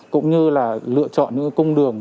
cũng như là lựa chọn những công đường